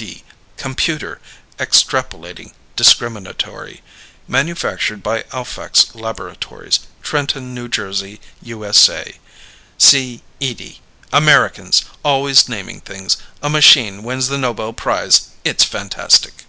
D. Computer, Extrapolating, Discriminatory. Manufactured by Alphax Laboratories, Trenton, New Jersey, U.S.A. C. Edie! Americans!! always naming things. A machine wins the Nobel Prize. It's fantastic!"